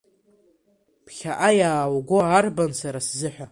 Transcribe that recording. Ԥхьаҟа иаауго арбан сара сзыҳәа?